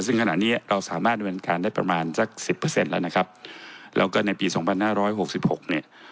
ซึ่งขณะนี้เราสามารถดำเนินการได้ประมาณสักสิบเปอร์เซ็นต์แล้วนะครับแล้วก็ในปีสองพันห้าร้อยหกสิบหกเนี่ย